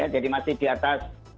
jadi masih di atas